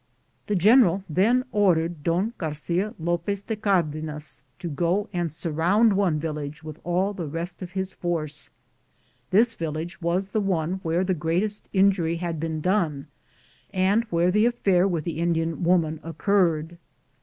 The general then ordered Don Garcia Lopez de Cardenas to go and surround one village with all the rest of the force. This village was the one where the greatest injury had been done and where the affair with the Indian woman occurred.